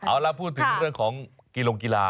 เอาล่ะพูดถึงเรื่องของกีลงกีฬา